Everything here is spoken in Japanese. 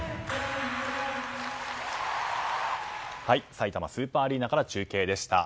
さいたまスーパーアリーナから中継でした。